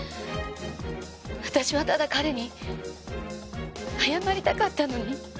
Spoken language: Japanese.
私はただ彼に謝りたかったのに。